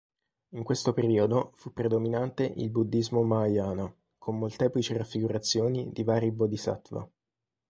In questo periodo fu predominante il Buddhismo Mahayana, con molteplici raffigurazioni di vari Bodhisattva.